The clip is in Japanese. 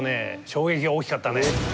衝撃が大きかったね。